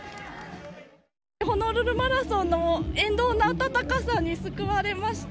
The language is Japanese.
ホノルルマラソンの沿道のあたたかさに救われました。